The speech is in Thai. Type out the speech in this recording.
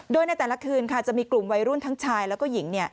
โดยในแต่ละคืนค่ะจะมีกลุ่มวัยรุ่นทั้งชายแล้วก็หญิง